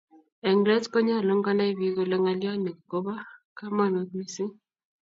eng let ko nyalun komai bik kole ngaliot ni kobo kamangut mising